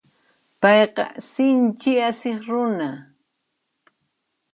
Payqa sinchi asiq runa.